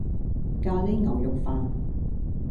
咖哩牛肉飯